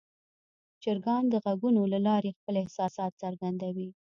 چرګان د غږونو له لارې خپل احساسات څرګندوي.